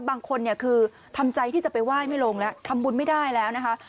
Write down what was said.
บางคนคือทำใจที่จะไปว่ายไม่ลงละทำบุญไม่ได้แล้ว